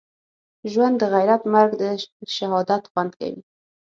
ژوند دغیرت مرګ دښهادت خوند کوی